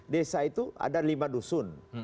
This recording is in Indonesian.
desa itu ada lima dusun